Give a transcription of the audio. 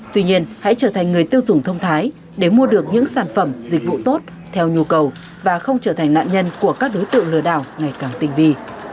tuy nhiên hãy trở thành người tiêu dùng thông thái để mua được những sản phẩm dịch vụ tốt theo nhu cầu và không trở thành nạn nhân của các đối tượng lừa đảo ngày càng tinh vi